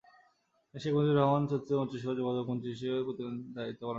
তিনি শেখ মুজিবুর রহমানের চতুর্থ মন্ত্রিসভায় যোগাযোগ প্রতিমন্ত্রী হিসাবে দায়িত্ব পালন করেছিলেন।